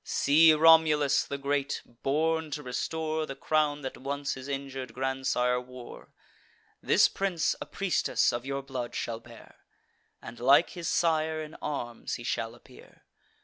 See Romulus the great, born to restore The crown that once his injur'd grandsire wore. This prince a priestess of your blood shall bear, And like his sire in arms he shall appear.